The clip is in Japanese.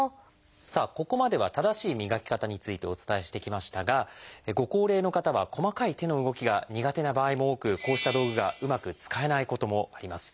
さあここまでは正しい磨き方についてお伝えしてきましたがご高齢の方は細かい手の動きが苦手な場合も多くこうした道具がうまく使えないこともあります。